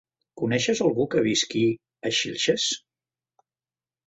Coneixes algú que visqui a Xilxes?